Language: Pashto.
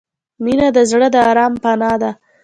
• مینه د زړه د آرام پناه ده.